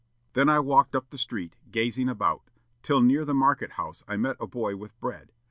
"Then I walked up the street, gazing about, till near the Market house I met a boy with bread.